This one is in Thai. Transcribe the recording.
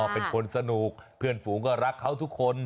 เป็นคนสนุกเพื่อนฝูงก็รักเขาทุกคน